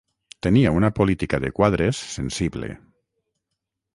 Tenia una política de quadres sensible.